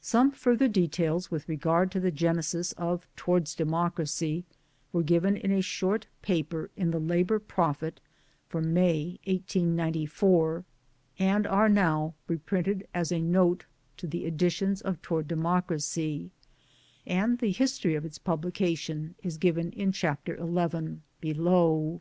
Some further details with regard to the genesis of Towards Democracy were given in a short paper in the Labour Prophet for May 1894, and are now reprinted as a Note to the editions of Towards Democracy ; and the history of its publication is given in Chapter XI below.